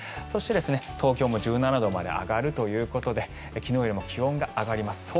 そして、東京も１７度まで上がるということで昨日より気温が上がります。